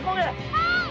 はい！